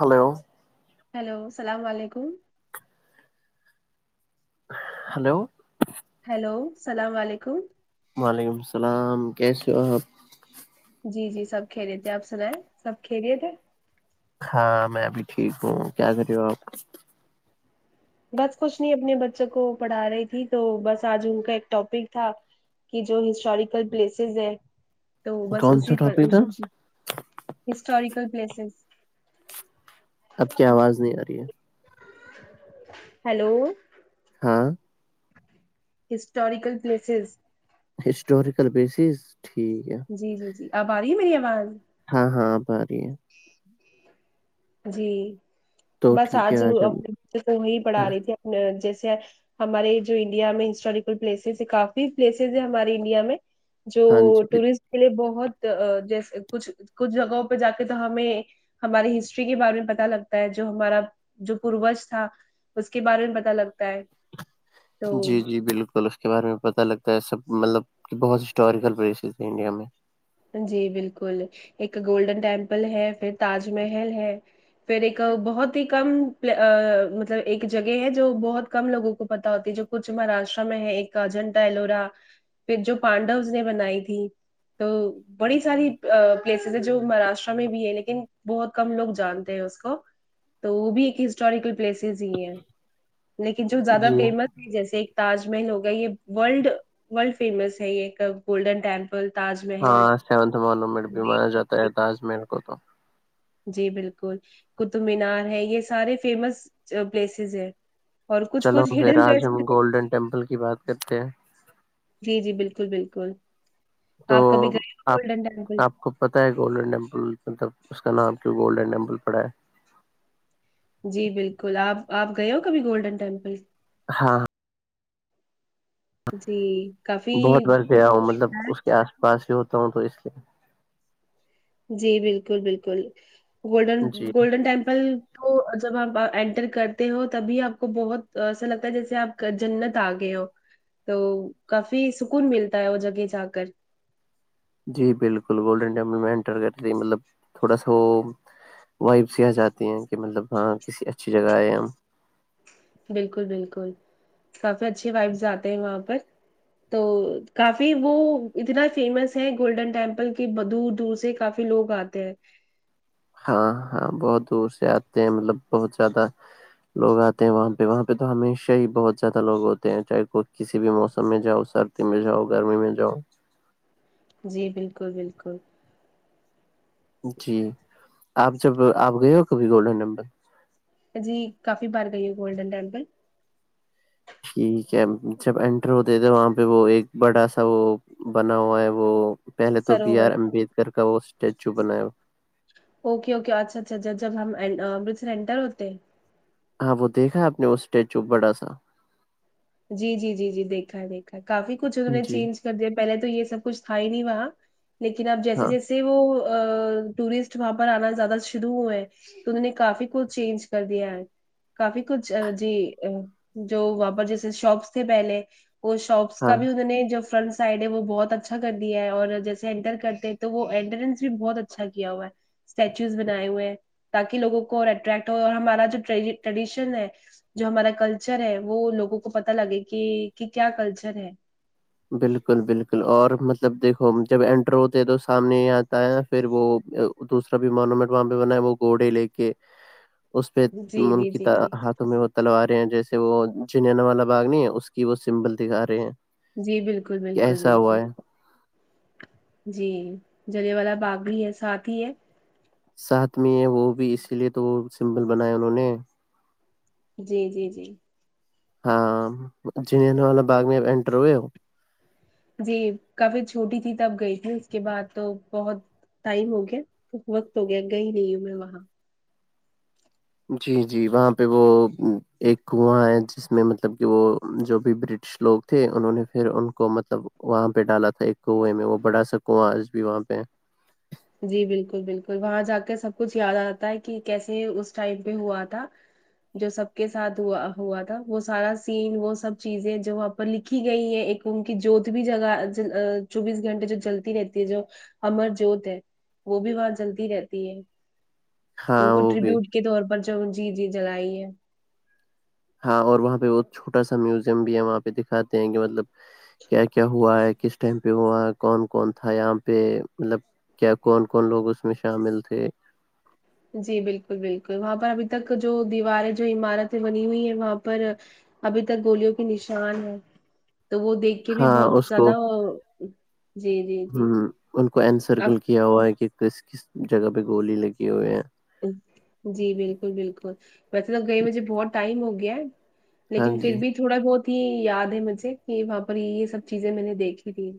hello hello السلام علیکم hello hello السلام علیکم وعلیکم السلامك جو آپ جی جی سب کھیلے تھے آپ سلائ سب کھیلے تھے ہاں میں ابھی ٹھیک ہوں کیا کری ہو آپ بس کچھ نہیں اپنے بچوں کو پڑھا رہی تھی تو بس آج ان کا ایک ٹاپک تھا کی جو ہسٹوریکل پلیسز ہے تو بس کون سا اسی پر ٹاپک تھا اسی چیز ہسٹوریکل پلیسز اب کیا آواز نہیں آ رہی ہے ہیلو ہاں ہسٹاریکل پلیسز ہسٹوریکل پلیسز ٹھیک ہے جی جی جی اب آ رہی ہے میری آواز ہاں ہاں اب آ رہی ہے جی تو بس ٹھیک ہے آج ہم تو وہی پڑھا رہی تھی جیسے ہمارے جو انڈیا میں ہسٹوریکل پلیسز ہے کافی پلیسز ہے ہمارے انڈیا میں جو ہاں جی ٹورسٹ کے لیے بہت جیس کچھ کچھ جگہوں پہ جا کے تو ہمیں ہماری ہسٹری کے بارے میں پتہ لگتا ہے جو ہمارا جو پوروش تھا اس کے بارے میں پتہ لگتا ہے تو جی جی بالکل اس کے بارے میں پتہ لگتا ہے سب مطلب کہ بہت ہسٹوریکل پلیسز ہیں انڈیا میں جی بالکل ایک گولڈن ٹپل ہے پھر تاج محل ہے پھر ایک بہت ہی کم مطلب ایک جگہ ہے جو بہت کم لوگوں کو پتا ہوتی ہے جو کچھ مہاراشٹرا میں ہے ایک اجنتا ایلوورا پھر جو پانڈوز نے بنائی تھی تو بڑی ساری پلیسز ہے جو مہاراشٹرا میں بھی ہے لیکن بہت کم لوگ جانتے ہیں اس کو تو وہ بھی ایک ہسٹوریکل پلیسز ہی ہیں لیکن جو زیادہ جی فیمس جیسے ایک تاج محل ہوگا یہ ورلڈ ورلڈ فیمس ہے یہ گولڈن ٹیمپل تاج محل ہاں سیونتھ مونومنٹ بھی مانا جاتا ہے تاج محل کو تو جی بالکل قطب مینار ہے یہ سارے فیمس پلیسز ہے چلو پھر آج ہم گولڈن ٹیمپل کی بات کرتے ہیں جی جی بالکل بالکل تو آپ کبھی گئے ہو آپ گولڈن ٹیمپل آپ کو پتاہ ہے گولڈن ٹیمپل مطلب اس کا نام کیوں گولڈن ٹیمپل پڑا ہے جی بالکل آپ آپ گئے ہو کبھی گولڈن ٹیمپل ہاں جی کافی بہت بار گیا ہوں مطلب اس کے آس پاس ہی ہوتا ہوں تو اس لیے جی بالکل بالکل گولڈن جی گولڈن ٹیمپل تو جب آپ انٹر کرتے ہو تبھی آپ کو بہت ایسا لگتا ہے جیسے آپ جنت آگئے ہو تو کافی سکون ملتا ہے وہ جگہ جا کر جی بالکل گولڈن ٹیمپل میں انٹر کرتی مطلب تھوڑا سا وہ وائب سے یہ آ جاتی ہیں کہ مطلب ہاں کسی اچھی جگہ آیے ہے ہم بالکل بالکل کافی اچھے وائبز آتے ہیں وہاں پر تو کافی وہ اتنا فیمس ہے گولڈن ٹیمپل کی دور دور سے کافی لوگ آتے ہیں ہاں ہاں بہت دور سے آتے ہیں مطلب بہت زیادہ لوگ آتے ہیں وہاں پہ وہاں پہ تو ہمیشہ ہی بہت زیادہ لوگ ہوتے ہیں چاہے کوئی کسی بھی موسم میں جاؤ سر سردی میں جاؤ گرمی میں جاؤ جی بالکل بالکل جی آپ جب آپ گئے ہو کبھی گولڈن نمبر جی کافی بار گئی ہے گولڈن ٹپل ٹھیک ہے جب انینٹر ہوتے تھے وہاں پہ وہ ایک بڑا سا وہ بنا ہوا ہے وہ پہلے تو بی سروور آر امبیڈکر کا وہ اسٹیچو بنایا اوکے اوکے اچھا اچھا ا جب ہم امرتر انٹر ہوتے ہاں وہ دیکھا آپ نے وہ اسٹیچو بڑا سا جی جی جی جی دیکھا ہے دیکھا ہے کافی کچھ انہوں نے جی چینج کر دیا پہلے تو یہ سب کچھ تھا ہی نہیں وہا لیکن اب جیسے ہاں جیسے سے وہ ٹورسٹ وہاں پر آنا زیادہ شروع ہوئے ہیں تو انہ نے کافی کھ چینج کر دیا ہے کافی کچھ جی جو وہاں پر جس شاپس تھے پہلے وہ شاپس کا ہاں بھی انہوں نے جب فرنٹ سائڈ ہے وہ بہت اچھا کر دیا ہے اور جیسے انٹر کرتے ہیں تو وہ انٹرنس بھی بہت اچھا کیا ہوا ہے اسٹیچوز بنائے ہوئے ہیں تاکہ لوگوں کو اور اٹریکٹ ہو اور ہمارا جو ٹریڈیشن ہے جو ہمارا کلچر ہے وہ لوگوں کو پتا لگے کہ کہ کیا کلچر ہے بالکل بالکل اور مطلب دیکھو جب انینٹر ہوتے ہیں تو سامنے ہی آتا ہے پھر وہ دوسرا بھی مونومینٹ وہاں پہ بنا وہ گھوڑے لے کے اس پہ جی ان جی کی جی جی تمہیں وہ تلو رہے ہیں جیسے وہ جنا والا باغ نہیں ہے اس کی وہ سمبل دکھا رہے ہیں جی بالکل کہ بالکل ایسا بالکل ہوا ہے جی جلی والا باغ بھی ہے ساتھ ہی ہے ساتھ میں ہیں وہ بھی اسی لیے تو وہ سمپل بنائے انہوں نے جی جی جی ہاں ج ن والا باغ میں اٹر ہوئے جی کفھی چھوٹی تھی تب گئی تھی اس کے بعد تو بہت ٹائم ہو گیا خ وقت ہو گیا گئی نہیں ہوں میں وہاں جی جی وہاں پہ وہ ایک کنواں ہے جس میں مطلب ب کہ وہ جو بھی برٹش لوگ تھے انہوں نے پھر ان کو مطلب وہاں پہ ڈالا تھا ایک کوے میں وہ بڑا سکوںا آج بھی وہاں پہ جی بالکل بالکل وہاں جا کے سب کچھ یاد آتا ہے کہ کیسے اس ٹائم پہ ہوا تھا جو سب کے ساتھ ہوا ہوا تھا وہ سارا سین وہ سب چیزیں جو لکھی گئی ہے ایک ان کی جوت بھی جگہ چوبیس گھنٹے جو جلتی رہتی ہے جو ہممر جو د ہے وہ بھی باں جلدی رہتی ہے ان ہاں کو وہ بھی ریبیوٹ کے طور پر جو جی جی جگائی ہے ہاں اور وہاں پہ بہت چھوٹا سا میوزیم بھی ہے وہاں پہ دکھاتے ہیں کہ مطلب کیا کیا ہوا ہے کس ٹائم پہ ہوا ہے کون کون تھا یہاں پہ مطلب کیا کون کون لوگ اس میں شامل تھے جی بالکل بالکل وہاں پر ابھی تک جو دیواریں جو عمارتیں بنی ہوئی ہے وہاں پر ابھی تک گولوں کے نشان ہے تو وہ دیکھ کہ بھی ہاں بہت اس زیادہ کو جی جی ہ جی ان کو ا انسرکل کیا ہوا ہے کہ کس کس جگہ پہ گولی لگی ہوئے ہے جی بالکل بالکل مسلب گئی مجھے بہت ٹائم ہو گیا ہے ہاں لیکن جی پھر بھی تھوڑا بہت ہی یاد ہے مجھے کہ وہاں پر یہ سب چیزیں میں نے دیکھی تھی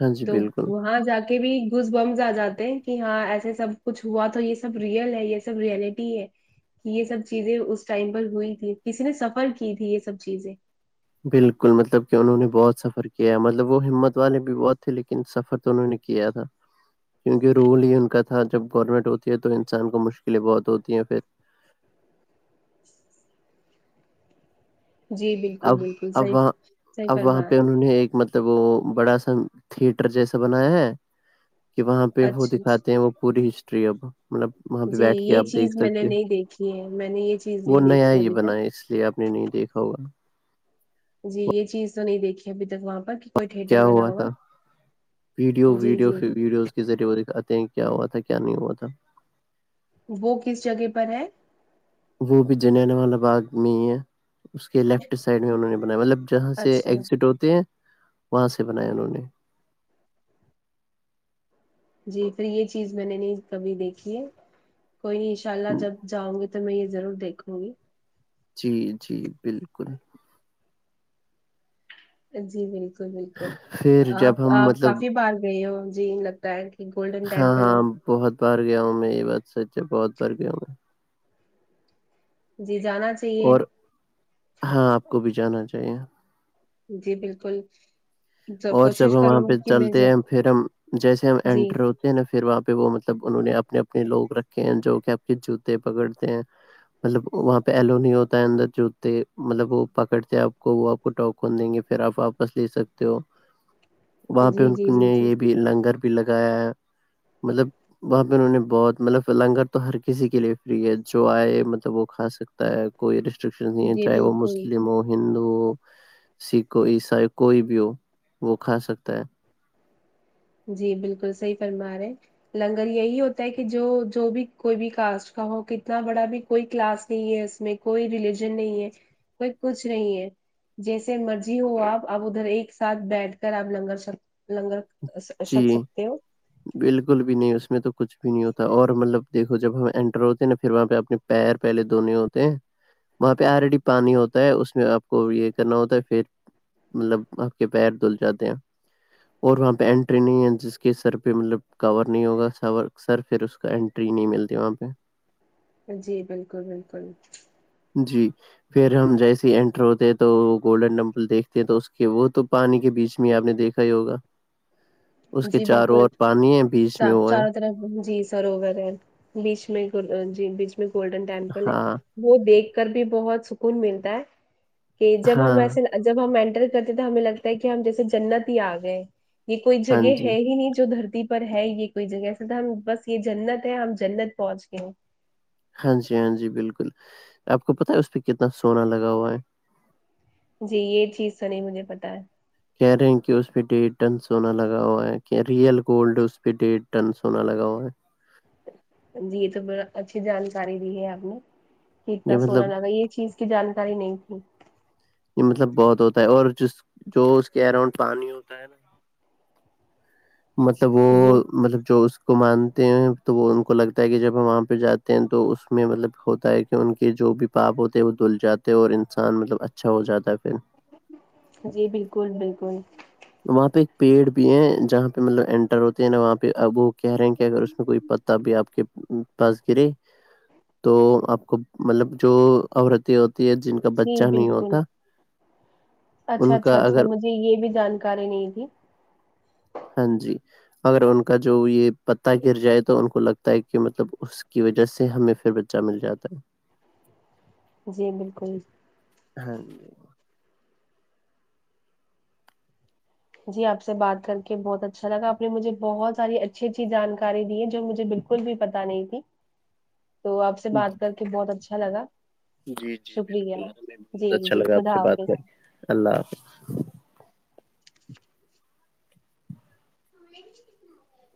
ہاں جی تو بالکل وہاں جا کے کے بھی گز بمز آ جاتے ہیں کہ ہاں ایسے سب کچھ ہوا تو یہ سب ریئل ہے یہ سب ریئلٹی ہے کہ یہ سب چیزیں اس ٹائم پر ہوئی تھی کسی نے سفر کی تھی یہ سب چیزیں بالکل مطلب کہ انہوں نے بہت سفر کیا ہے مطلب وہ ہمت والے بھی بہت تھے لیکن سفر تو انہوں نے کیا تھا کیونکہ رول ہی ان کا تھا جب گورنمنٹ ہوتی ہے تو انسان کو مشکلیں بہت ہوتی ہیں پھر جی بالکل اب بالکل اب صحیح وہاں صحیح اب وہاں فرمایا پہ انہوں نے ایک مطلب تب وہ بڑا سا تھیئٹر جیسا بنایا ہے کہ وہاں پہ وہ اچھا دکھاتے اچھا ہیں وہ پوری ہسٹری اب مطلب وہاں پہ جی بیٹھ کے یہ آپ دیکھ چیز میں نے سکتے نہیں دیکھی ہے میں نے یہ چیز ہو وہ نہیں نیا دیکھی یہ ابھی بنا تک ہے اس لیے آپ آ نے نہیں دیکھا ہوگا جی یہ چیز تو نہیں دیکھی ابھی تک وہاں پر کوئی تھیٹر کیا بنا ہوا تھا ویڈیو ہے جی ویڈیو جی جی ویڈیوز کے ذریعے وہ دکھاتے ہیں کیا ہوا تھا کیا نہیں ہوا تھا وہ کس جگہ پر ہے وہ بھی جننے والا باغ میں ہی ہے اس کے لیفٹ سائڈ میں انہوں نے بنایا مطلب جہاں سے اچھا ایگزٹ ہوتے ہیں وہاں سے بنایا انہوں نے جی پھر یہ چیز میں نے نہیں کبھی دیکھی ہے کوئی نہیں ان شاء اللہ جب جاؤں گی تو میں یہ ضرور دیکھوں گی جی جی بالکل جی بالکل بالکل پھر آپ جب ہم آپ مطلب کافی بار گئے ہو جی لگتا ہے کہ گولڈن ہاں ٹیمپل ہاں بہت بار گیا ہوں میں یہ بات سچ ہے بہت بار گیا ہوں میں جی جانا چاہی اور ہاں آپ کو بھی جانا چاہیے جی بالکل تو اور جب کوشش ہم وہاں کروں گی پہ کہ میں چلتے ضر- ہیں پھر ہم جیسے ہم جی انینٹر ہو نا پھر وہاں پہ وہ مطلب انہوں نے اپنے اپنے لوگ رکھے ہیں جو کہ آپ کے جوتے پکڑتے ہیں مطلب وہاں پہ ایلو نہیں ہوتا ہے اندر جوتے مطلب وہ پکڑتے آپ کو وہ کو ٹا کھول دیں گے پھر آپ واپس لے سکتے ہو وہاں پہ جی جی ان جی نے یہ جی بھی لنگر بھی لگایا ہے مطلب وہاں پہ انہوں نے بہت مطلب لنگر تو ہر کسی کے لیے فری ہے جو آئے مطلب وہ کھا سک کوئی ریسٹرکشن نہیں جی چاہے وہ بالکل مسلم ہو ہندو ہو سکھ عیسائی کوئی بھی ہو وہ کھا سکتا ہے جی بالکل صحیح فرما رہے لنگر یہی ہوتا ہے کہ جو جو بھی کوئی بھی کاسٹ کا ہو کتنا بڑا بھی کوئی کلاس نہیں ہے اس میں کوئی ریلیجن نہیں ہے کوئی کچھ نہیں ہے جیسے مرضی ہو آپ اب ادھر ایک ساتھ بیٹھ کر آپ لنگگرر چ لنگر اشات جی سکتے ہو بالکل بھی نہیں اس میں تو کچھ بھی نہیں ہوتا اور مطلب دیکھو جب ہم انٹر ہوتے ہیں نا پھر وہاں پہ اپنے پیر پہلے دنے ہوتے ہیں وہاں پہ آلریڈی پانی ہوتا ہے اس میں آپ کو یہ کرنا ہوتا ہے پھر مطلب آپ کے پیر دھل جاتے ہیں اور وہاں پہ ٹری نہیں ہے جس کے سر پہ مطلب کور نہیں ہوگا س سر پھر اس کا انینٹری نہیں ملتی وہاں پہ جی بالکل بالکل جی پھر ہم جیسے ہی انٹر ہوتے ہیں تو گولڈن ٹیمپل دیکھتے ہیں تو اس کے وہ تو پانی کے بیچ میں ہی آپ نے دیکھا ہی ہوگا اس کے چار اور پانی ہے بیچ میں وہ ہے ط جی سروور ہے بیچ میں جی بیچ میں گولڈن ٹیمپل ہے ہاں وہ دیکھ کر بھی بہت سکون ملتا ہے کہ جب ہم ہاں ایسے جب ہم اینٹر کرتے تو ہمیں لگتا ہے کہ ہم جیسے جنت ہی آ گئے یہ کوئی ہاں جگہ جی ہے ہی نہیں جو دھرتی پ پر ہے یہ کوئی جگہ ایسا تو ہم بس یہ جنت ہے ہم جنت پہنچ گ ہیں ہاں جی ہاں جی بالکل آپ کو پت ہے اس پہ کتنا سونا لگا ہوا ہے جی یہ چیز تو نہیں مجھے پتا ہے کہہ رہے ہیں کہ اس پہ ڈیڑھ ٹن سونا لگا ہوا ہے کہ ریئل گولڈ اس پہ ڈیڑھ ٹن سونا لگا ہوا ہے جی یہ تو با اچھی جانکاری دی ہے آپ نے کہ یہ اتنا مطلب سونا لگا یہ چیز کی جانکاری نہیں تھی یہ مطلب بہت ہوتا ہے اور جس جو اس کے اراؤنڈ پانی ہوتا ہے مطب جی [unintelligible] مطلب جو اس کو مانتے ہیں تو وہ ان کو لگتا ہے کہ جب ہم وہاں پہ جاتے ہیں تو اس میں مطلب ہوتا ہے ایک کہ ان کے جو بھی پاپ ہوتے ہیں وہ دھل جاتے ہیں اور انسان مطلب اچھا ہو جاتا ہے پھر جی بالکل بالکل وہاں پہ ایک پیڑ بھی ہے جہاں پہ مطلب انٹر ہوتے ہیں نا وہاں پہ ابو کہہ رہے ہیں کہ اگر اس میں کوئی پتا بھی آپ کے پاس کرے تو آپ کو مطلب جو آورتی ہوتی ہے جن جی بچہ نہیں بالکل ہوتا ان کا اگر جی یہ بھی جانکاری نہیں تھی ہاں جی اگر ان کا جو یہ پتا گر جائے تو ان کو لگ ہے کہ مطلب اس کی وجہ سے ہمیں پھر بچہ مل جاتا ہے جی بالکل ہاں [unintelligible] جی آپ سے بات کر کے بہت اچھا لاپ نے مجھے بہت ساری اچھی اچھی جانکاری دی ہے جو مجھے بالکل کل بھی پتا نہیں تھی تو آپ سے بات کر کے بہت اچھا لگا جی جی شکریہ بالکل ہمیں بھی بہت جی اچھا جی لگا آپ سے خدا بات حافظ کریں اللہ حافظ [inaudible] ہنا [unintelligible]